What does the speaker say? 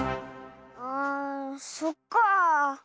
ああそっかあ。